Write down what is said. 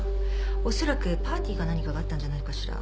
おそらくパーティーか何かがあったんじゃないかしら。